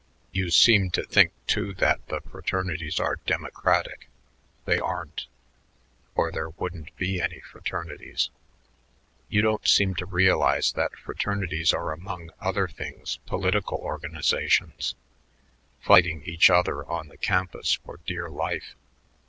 You seem to think, too, that the fraternities are democratic. They aren't, or there wouldn't be any fraternities. You don't seem to realize that fraternities are among other things political organizations, fighting each other on the campus for dear life.